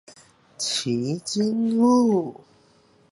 旗津路